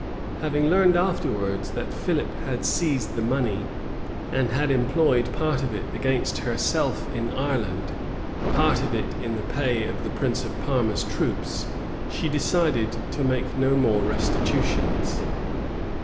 Having learned afterwards that Philip had seized the money, and had employed part of it against herself in Ireland, part of it in the pay of the prince of Parma's troops she determined to make no more restitutions.